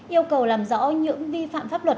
yêu cầu làm rõ những vi phạm pháp luật